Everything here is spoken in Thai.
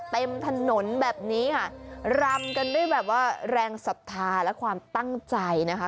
เต็มถนนแบบนี้ค่ะรำกันด้วยแบบว่าแรงศรัทธาและความตั้งใจนะคะ